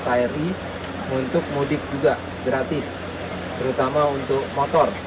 dalam melaksanakan perhubungan